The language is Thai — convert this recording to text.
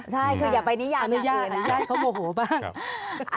คืออย่าไปนิยามอย่างเดียวนะ